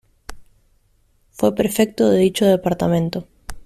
Fue prefecto de dicho departamento.